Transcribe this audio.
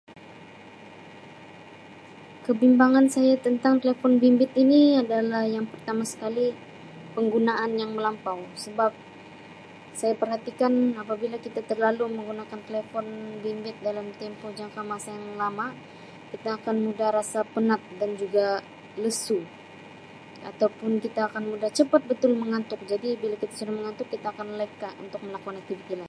Kebimbangan saya tentang telefon bimbit ini adalah yang pertama sekali, penggunaan yang melampau. Sebab, saya perhatikan apabila kita terlalu menggunakan telefon bimbit dalam tempoh jangka masa yang lama kita akan mudah rasa penat dan juga lesu. Ataupun kita akan mudah cepat betul mengantuk jadi bila kita sudah mengantuk kita akan leka untuk melakukan aktiviti lai-